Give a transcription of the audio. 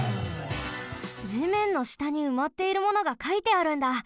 地面のしたにうまっているものがかいてあるんだ。